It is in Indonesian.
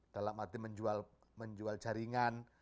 dalam arti menjual jaringan